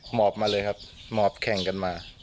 หมอบมาเลยครับหมอบแข่งกันมา